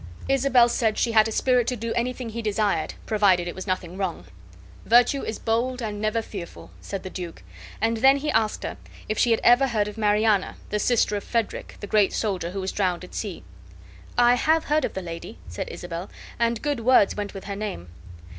Isabel said she had a spirit to do anything he desired, provided it was nothing wrong. "Virtue is bold and never fearful," said the duke: and then he asked her, if she had ever heard of Mariana, the sister of Frederick, the great soldier who was drowned at sea. "I have heard of the lady," said Isabel, "and good words went with her name."